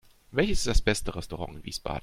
Welches ist das beste Restaurant in Wiesbaden?